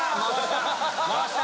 回した。